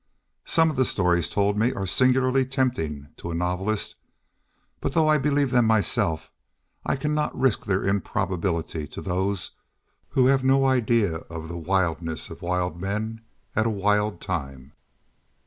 Some of the stories told me are singularly tempting to a novelist. But, though I believe them myself, I cannot risk their improbability to those who have no idea of the wildness of wild men at a wild time.